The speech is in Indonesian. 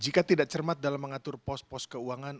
jika tidak cermat dalam mengatur pos pos keuangan